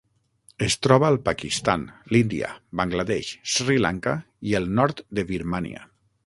Es troba al Pakistan, l'Índia, Bangladesh, Sri Lanka i el nord de Birmània.